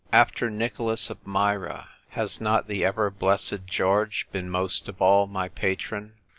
After Nicholas of Myra, has not the ever blessed George been most of all my patron